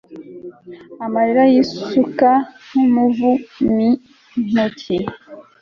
amarira y'isuka nk'umuvu mi ntoki